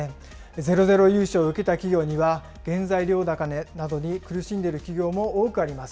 ゼロゼロ融資を受けた企業には、原材料高に苦しんでいる企業も多くあります。